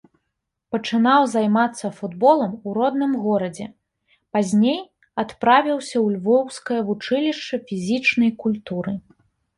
Пачынаў займацца футболам у родным горадзе, пазней адправіўся ў львоўскае вучылішча фізічнай культуры.